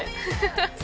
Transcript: ハハハ。